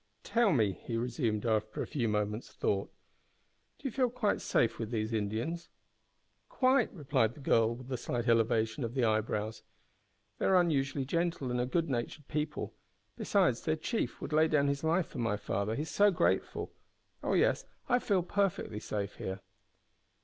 "Tell me," he resumed, after a few moments' thought, "do you feel quite safe with these Indians?" "Quite," replied the girl with a slight elevation of the eyebrows; "they are unusually gentle and good natured people. Besides, their chief would lay down his life for my father he is so grateful. Oh yes, I feel perfectly safe here."